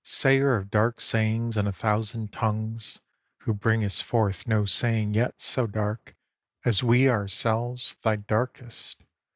Sayer of dark sayings in a thousand tongues, Who bringest forth no saying yet so dark As we ourselves, thy darkest!